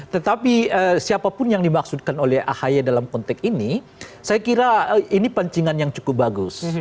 tetapi siapapun yang dimaksudkan oleh ahy dalam konteks ini saya kira ini pancingan yang cukup bagus